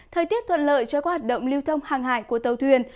thời tiết thuận lợi cho các hoạt động lưu thông hàng hải của tàu thuyền